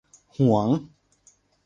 หวง